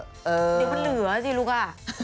เดี๋ยวมันเหลือจริงจริงลูกอ่ะ